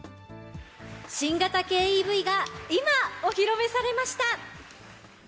新型軽ＥＶが今、お披露目されました。